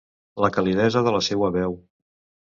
La calidesa de la seua veu.